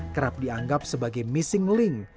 kerap dianggap sebagai missing link